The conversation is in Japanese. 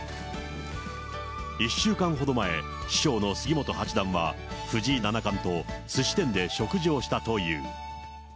１週間ほど前、師匠の杉本八段は、藤井七冠とすし店で食事をしたという。